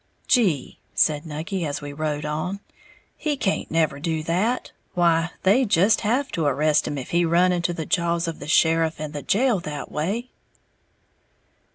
"Gee," said Nucky, as we rode on, "he can't never do that, why they'd just have to arrest him if he run into the jaws of the sheriff and the jail that way!"